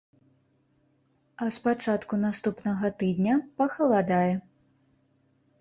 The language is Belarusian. А з пачатку наступнага тыдня пахаладае.